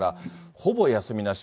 ほぼ休みなし。